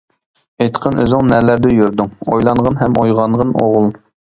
ئېيتقىن ئۆزۈڭ نەلەردە يۈردۈڭ؟ ؟؟، ئويلانغىن ھەم ئويغانغىن ئوغۇل.